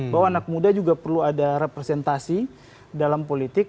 bahwa anak muda juga perlu ada representasi dalam politik